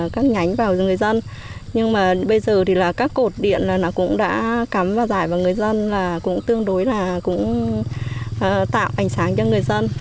các cột điện cũng đã cắm và giải vào người dân cũng tương đối là tạo ảnh sáng cho người dân